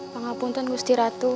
pengapuntan gusti ratu